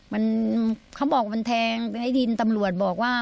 มันเขาบอกมันแทงไอ้ดินตำรวจบอกว่า